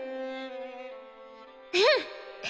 うん！